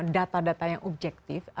data data yang objektif